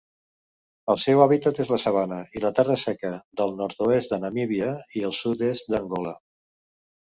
El seu hàbitat és la sabana i la terra seca del nord-oest de Namíbia i el sud-est d'Angola.